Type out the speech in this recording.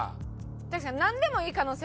確かになんでもいい可能性ある。